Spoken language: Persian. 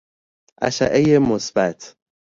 اشعه مثبت